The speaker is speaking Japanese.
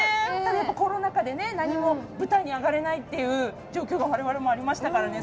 コロナ禍でね何も舞台に上がれないっていう状況が我々もありましたからね。